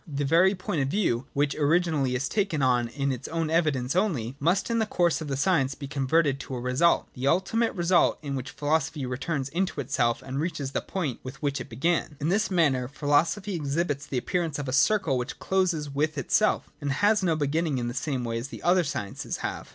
The very point of view, which originally is taken on its 28 INTRODUCTION. [17 18. own evidence only, must in the course of the science be converted to a result, — the ultimate result in which philosophy returns into itself and reaches the point with which it began. In this manner philosophy ex hibits the appearance of a circle which closes with itself, and has no beginning in the same way as the other sciences have.